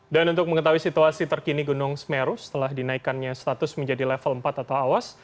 dan untuk mengetahui situasi terkini gunung semeru setelah dinaikannya status menjadi level empat atau awas